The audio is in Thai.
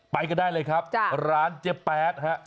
ไปกันได้เลยครับร้านเจ๊แป๊ดฮะ